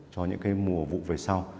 cho những cái mùa vụ về sau